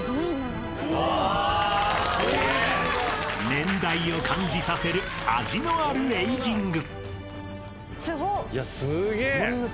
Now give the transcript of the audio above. ［年代を感じさせる味のあるエイジング］